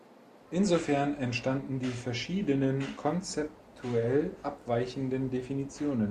Insofern entstanden die verschiedenen, konzeptuell abweichenden Definitionen.